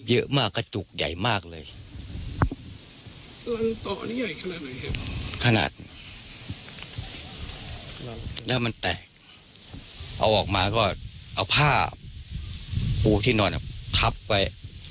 เอาออกมาก็เอาผ้าปูที่นอนคับไป